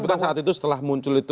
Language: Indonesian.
tapi kan saat itu setelah muncul itu